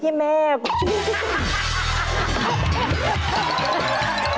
พี่ไม่ใช่แม่